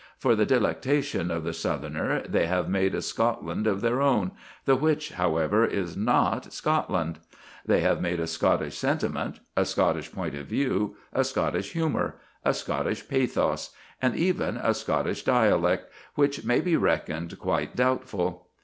For the delectation of the Southerner they have made a Scotland of their own, the which, however, is not Scotland. They have made a Scottish sentiment, a Scottish point of view, a Scottish humour, a Scottish pathos, and even a Scottish dialect, which may be reckoned quite doubtful.